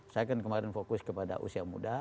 saya kan kemarin fokus kepada usia muda